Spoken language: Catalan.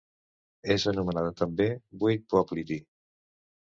És anomenada també buit popliti.